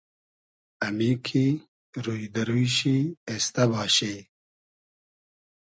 امی کی روی دۂ روی شی اېستۂ باشی